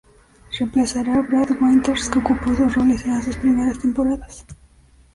Reemplazará a Brad Winters que ocupó esos roles en las dos primeras temporadas.